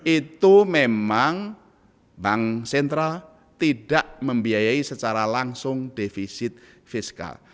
itu memang bank sentral tidak membiayai secara langsung defisit fiskal